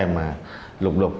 mà lục lục